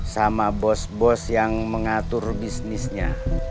sama bos bos yang mengatur bisnisnya